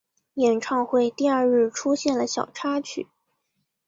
演唱会第二日出现了小插曲。